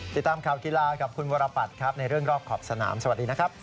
ติดตามข่าวกีฬากับคุณวรปัตรครับในเรื่องรอบขอบสนามสวัสดีนะครับ